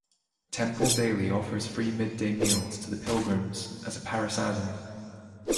Temple daily offers free mid day meals to the pilgrims as a prasadam.